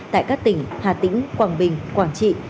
tại các tỉnh hà tĩnh quảng bình quảng trị